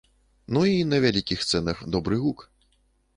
Ну, і на вялікіх сцэнах добры гук.